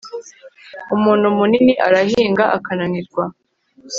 umuntu munini arahinga akananirwa